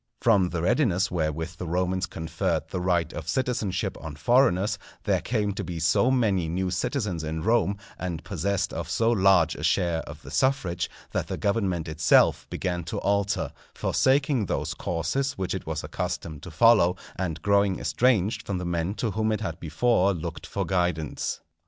From the readiness wherewith the Romans conferred the right of citizenship on foreigners, there came to be so many new citizens in Rome, and possessed of so large a share of the suffrage, that the government itself began to alter, forsaking those courses which it was accustomed to follow, and growing estranged from the men to whom it had before looked for guidance.